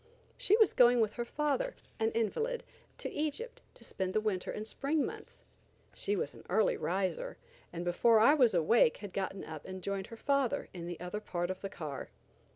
She was going with her father, an invalid, to Egypt, to spend the winter and spring months. She was an early riser, and before I was awake had gotten up and joined her father in the other part of the car.